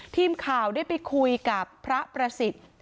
ทีมข่าวได้ไปคุยกับพระประสิทธิ์